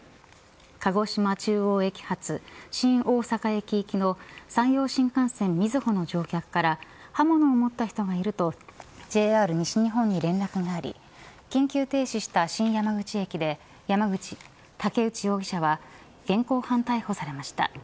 鹿児島中央駅発新大阪駅行きの山陽新幹線みずほの乗客から刃物を持った人がいるとＪＲ西日本に連絡があり緊急停止した新山口駅で竹内容疑者は現行犯逮捕されました。